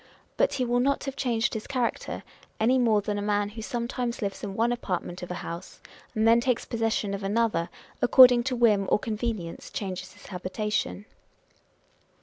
But he will not have changed his character, any more than a man who sometimes lives in one apartment of a house and then takes possession of another, according to whim or convenience changes his habitation.